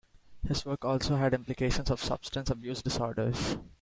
His work also has implications for substance abuse disorders.